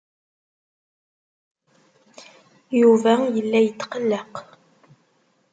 Yuba yella yetqelleq.